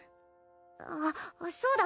あっそうだ！